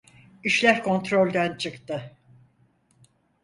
İşler kontrolden çıktı.